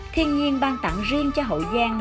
thiên nhiên ban tặng riêng cho hậu giang